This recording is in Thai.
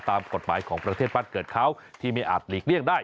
ตามกฎหมายของประเทศบ้านเกิดเขาที่ไม่อาจหลีกเลี่ยงได้